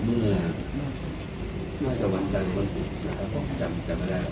เมื่อน่าจะวันจันทร์วันศุกร์นะครับผมจำไม่ได้